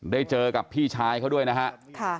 ได้เจอกับพี่ชายเขาด้วยนะฮะ